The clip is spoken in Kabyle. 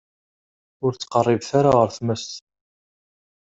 Ur ttqeṛṛibet ara ar tmes.